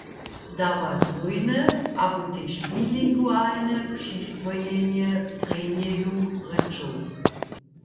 Dawa dwójne abo tež bilingualne přiswojenje prěnjeju rěčow.